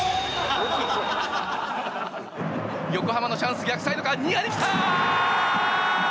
横浜のチャンス逆サイドからニアで来た！